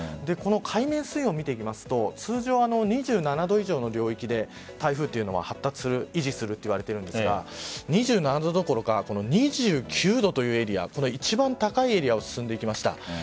海面水温を見ていきますと通常２７度以上の領域で台風は発達する、維持するといわれているんですが２７度どころか２９度というエリア一番高いエリアを進んでいきました。